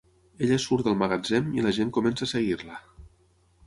Ella surt del magatzem i la gent comença a seguir-la.